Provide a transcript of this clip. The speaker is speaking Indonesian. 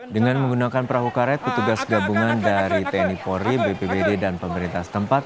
dengan menggunakan perahu karet petugas gabungan dari tni polri bpbd dan pemerintah setempat